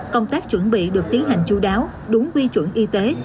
công tác chuẩn bị được tiến hành chú đáo đúng quy chuẩn y tế